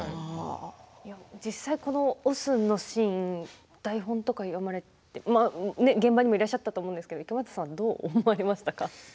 実際この「押忍」のシーン台本とか読まれて現場にもいらっしゃったと思うんですけど池松さん、どう思われましたか？